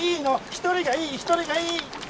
１人がいい１人がいい！